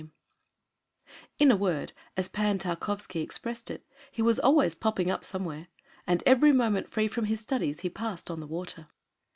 ] on the desert; in a word, as Pan Tarkowski expressed it, "he was always popping up somewhere," and every moment free from his studies he passed on the water.